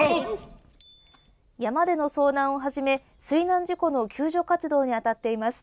山での遭難をはじめ水難事故の救助活動にあたっています。